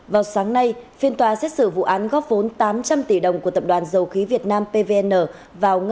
vào sáng nay phiên tòa xét xử vụ án góp vốn tám trăm linh tỷ đồng của tập đoàn dầu khí việt nam pvn